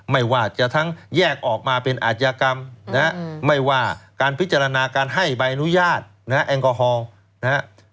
ไม่ว่าจะทั้งแยกออกมาเป็นอาจกรรมไม่ว่าการพิจารณาการให้ใบอนุญาตแองกอฮอล